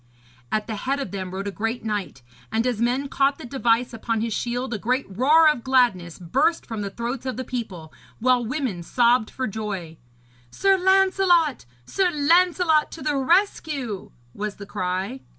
At the head of them rode a great knight; and as men caught the device upon his shield a great roar of gladness burst from the throats of the people, while women sobbed for joy. 'Sir Lancelot! Sir Lancelot to the rescue!' was the cry.